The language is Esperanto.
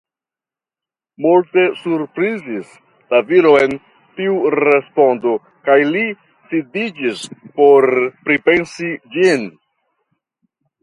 Multe surprizis la viron tiu respondo kaj li sidiĝis por pripensi ĝin.